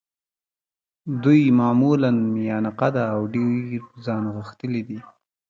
دوی معمولاً میانه قده او ډېر په ځان غښتلي دي.